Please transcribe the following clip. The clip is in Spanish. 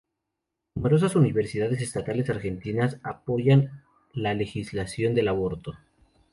Numerosas universidades estatales argentinas apoyan la legalización del aborto.